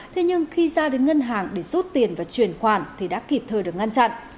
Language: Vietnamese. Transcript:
thế nhưng khi ra đến ngân hàng để rút tiền và chuyển khoản thì đã kịp thời được ngăn chặn